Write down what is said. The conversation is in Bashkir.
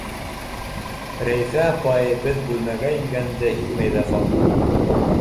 Рәйфә апай беҙ бүлмәгә ингәнде һиҙмәй ҙә ҡалды.